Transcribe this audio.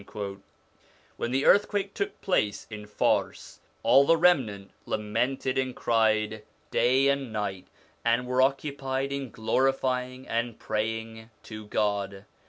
When the earthquake took place in Fars, all the remnant lamented and cried day and night, and were occupied in glorifying and praying to God.